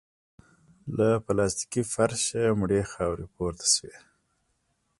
له پلاستيکي فرشه مړې خاورې پورته شوې.